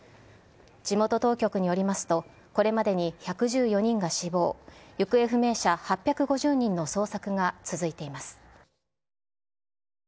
地元当局によりますと、これまでに１１４人が死亡、行方不明者８５０人の捜索が続いています。